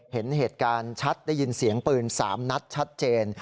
เห็นเหตุการณ์ชัดได้ยินเสียงปืน๓นัดชัดเจน